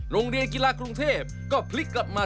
โรงเรียนกีฬากรุงเทพก็พลิกกลับมา